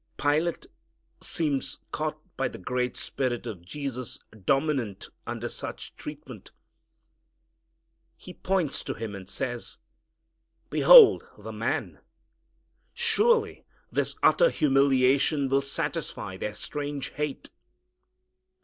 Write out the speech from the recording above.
Pilate seems caught by the great spirit of Jesus dominant under such treatment. He points to Him and says, "Behold the Man!" Surely this utter humiliation will satisfy their strange hate.